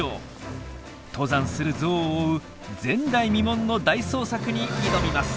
登山するゾウを追う前代未聞の大捜索に挑みます！